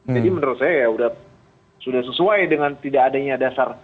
jadi menurut saya ya sudah sesuai dengan tidak adanya dasar